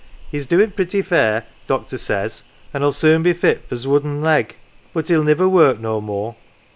He's doin' pretty fair, doctor says, an 1 '11 soon be fit for's wooden leg. But he'll niver work no more.